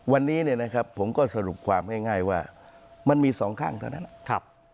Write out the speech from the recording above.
วันนี้ผมก็สรุปความง่ายว่ามันมีสองข้างเท่านั้น